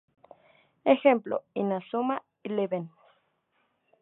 Ejemplo: Inazuma Eleven.